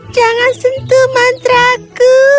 jangan sentuh mantraku